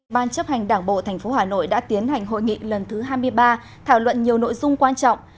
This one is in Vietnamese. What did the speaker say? ban chấp hành đảng bộ tp hà nội đã tiến hành hội nghị lần thứ hai mươi ba thảo luận nhiều nội dung quan trọng